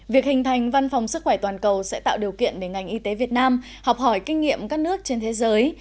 việc hình thành văn phòng sức khỏe toàn cầu sẽ tạo điều kiện để ngành y tế việt nam học hỏi kinh nghiệm các nước trên thế giới